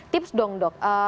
tips dong dok